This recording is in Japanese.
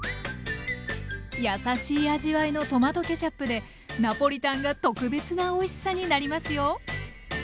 やさしい味わいのトマトケチャップでナポリタンが特別なおいしさになりますよ！